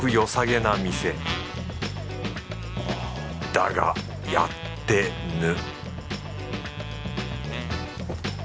だがやってぬ